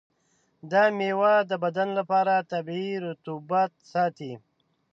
دا میوه د بدن لپاره طبیعي رطوبت ساتي.